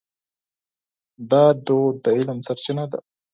دا دود د علم سرچینه ده.